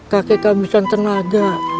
kakek habiskan tenaga